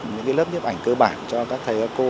những lớp nhếp ảnh cơ bản cho các thầy cô